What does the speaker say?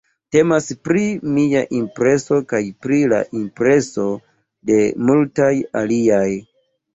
Temas pri mia impreso kaj pri la impreso de multaj aliaj.